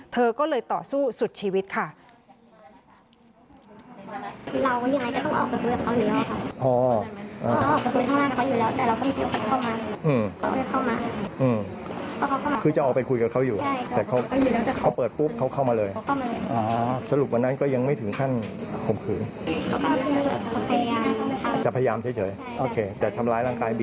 เธอก็เลยต่อสู้สุดชีวิตค่ะ